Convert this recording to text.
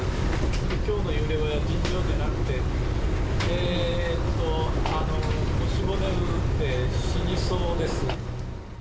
きょうの揺れは尋常じゃなくて、腰骨折って死にそうです。